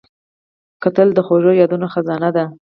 کتل د خوږو یادونو خزانه ده